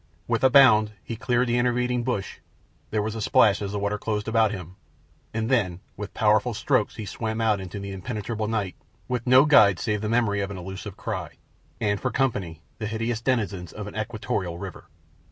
With a bound he cleared the intervening bush—there was a splash as the water closed about him—and then, with powerful strokes, he swam out into the impenetrable night with no guide save the memory of an illusive cry, and for company the hideous denizens of an equatorial river.